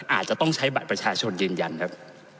อาจจะต้องใช้บัตรประชาชนยืนยันครับ